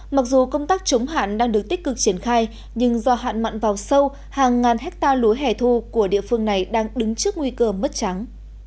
mặc dù công tác chống hạn đang được tích cực triển khai nhưng do hạn mặn vào sâu hàng ngàn hectare lúa hẻ thu của địa phương này đang đứng trước nguy cơ mất trắng